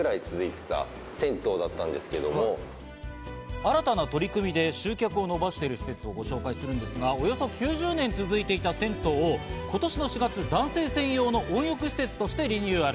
新たな取り組みで集客を伸ばしている施設をご紹介するんですが、およそ９０年続いていた銭湯を今年４月、男性専用の温浴施設としてリニューアル。